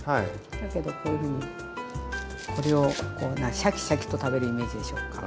だけどこういうふうにこれをこうシャキシャキと食べるイメージでしょうか？